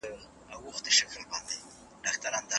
محصل ته اجازه سته چي د خپلې خوښې موضوع وټاکي.